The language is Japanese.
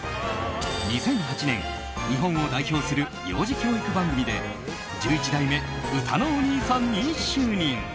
２００８年、日本を代表する幼児教育番組で１１代目うたのおにいさんに就任。